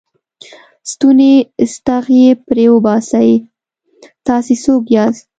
ستونی ستغ یې پرې وباسئ، تاسې څوک یاست؟